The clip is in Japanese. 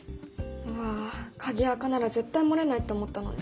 うわあ鍵アカなら絶対漏れないって思ったのに。